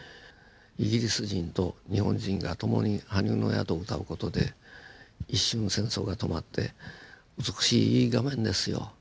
イギリス人と日本人が共に「埴生の宿」を歌う事で一瞬戦争が止まって美しいいい画面ですよ。